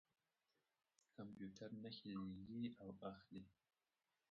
کمپیوټر نښې لېږي او اخلي.